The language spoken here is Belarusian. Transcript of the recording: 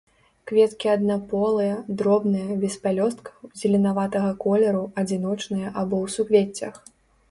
Кветкі аднаполыя, дробныя, без пялёсткаў, зеленаватага колеру, адзіночныя або ў суквеццях.